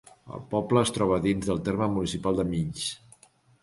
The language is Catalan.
El poble es troba dins del terme municipal de Mills.